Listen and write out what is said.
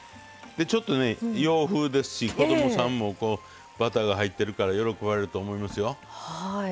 ちょっとね、洋風ですし子供さんもバターが入っているから喜ばれると思いますよ。